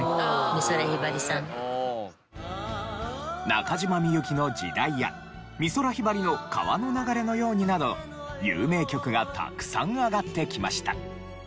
中島みゆきの『時代』や美空ひばりの『川の流れのように』など有名曲がたくさん挙がってきました。